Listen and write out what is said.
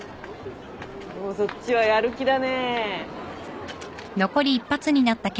そっちはやる気だね。